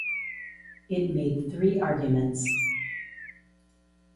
It made three arguments.